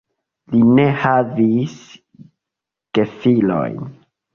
Li ne havis gefilojn.